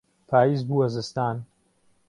پاییز بووە زستان.